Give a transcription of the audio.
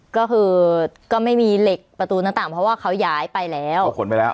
ก็คือก็ไม่มีเหล็กประตูหน้าต่างเพราะว่าเขาย้ายไปแล้วก็ขนไปแล้ว